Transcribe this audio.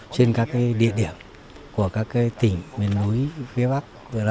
trên các địa điểm của các tỉnh miền núi phía bắc